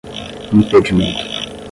impedimento